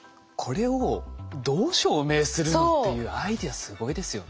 これをどう証明するのっていうアイデアすごいですよね。